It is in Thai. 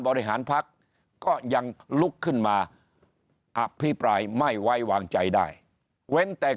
บริหารพักก็ยังลุกขึ้นมาอภิปรายไม่ไว้วางใจได้เว้นแต่